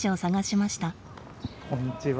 こんにちは。